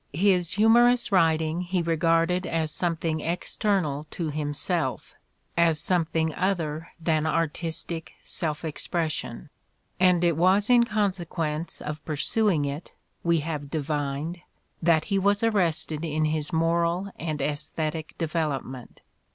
His humorous writing he regarded as something ex ternal to himself, as something other than artistic self expression; and it was in consequence of pursuing it, we have divined, that he was arrested in his moral and esthetic development.